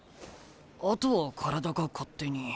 あとは体が勝手に。